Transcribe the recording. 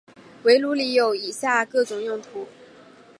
围炉里有以下各种用途。